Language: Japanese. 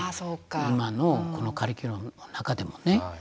今のこのカリキュラムの中でもね。